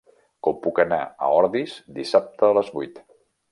Com puc anar a Ordis dissabte a les vuit?